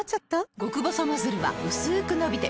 極細ノズルはうすく伸びて